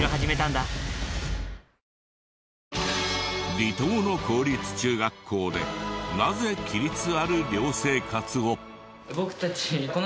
離島の公立中学校でなぜ規律ある寮生活を？